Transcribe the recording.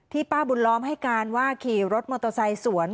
ป้าบุญล้อมให้การว่าขี่รถมอเตอร์ไซค์สวน